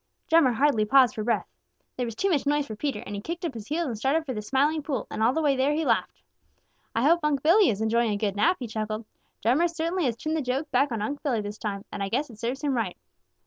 Drummer hardly paused for breath. There was too much noise for Peter, and he kicked up his heels and started for the Smiling Pool, and all the way there he laughed. "I hope Unc' Billy is enjoying a good nap," he chuckled. "Drummer certainly has turned the joke back on Unc' Billy this time, and I guess it serves him right."